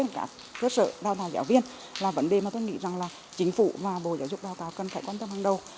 các cơ sở đào tạo giáo viên là vấn đề mà tôi nghĩ rằng là chính phủ và bộ giáo dục đào tạo cần phải quan tâm hàng đầu